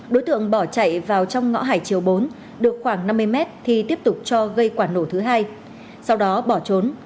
đối tượng bỏ chạy vào trong ngõ hải triều bốn được khoảng năm mươi mét thì tiếp tục cho gây quả nổ thứ hai sau đó bỏ trốn